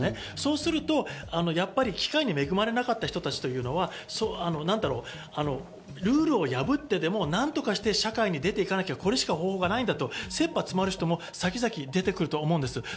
そうすると機会に恵まれなかった人たちというのは、ルールを破ってでも、何とかして社会に出ていかなければ、これしか方法がないんだと切羽詰まる人も先々、出てくると思うんです。